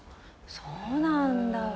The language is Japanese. そうなんだ。